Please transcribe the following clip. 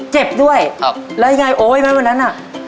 เจ็บด้วยครับแล้วยังไงโอ๊ยไหมวันนั้นอ่ะ